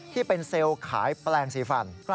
ที่เป็นเซลล์ขายแปลงสีฟัน